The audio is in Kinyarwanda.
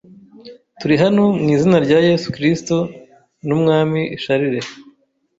Turi hano mu izina rya Yesu Kristo n'Umwami Charles.